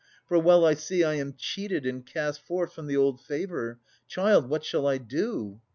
For well I see I am cheated and cast forth From the old favour. Child, what shall I do